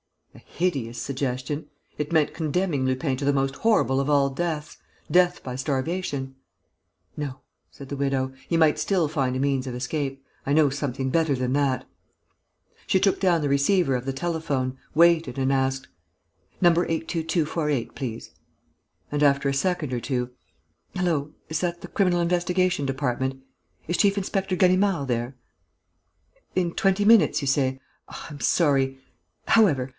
A hideous suggestion! It meant condemning Lupin to the most horrible of all deaths, death by starvation. "No," said the widow. "He might still find a means of escape. I know something better than that." She took down the receiver of the telephone, waited and asked: "Number 82248, please." And, after a second or two: "Hullo!... Is that the Criminal Investigation Department?... Is Chief inspector Ganimard there?... In twenty minutes, you say?... I'm sorry!... However!...